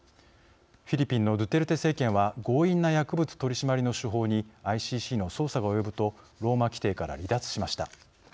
フィリピンのドゥテルテ政権は強引な薬物取締りの手法にＩＣＣの捜査が及ぶとローマ規程から離脱しました。